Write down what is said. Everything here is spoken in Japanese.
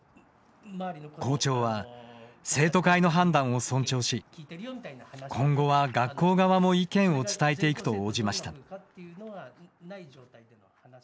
校長は、生徒会の判断を尊重し今後は学校側も意見を伝えていくと応じました。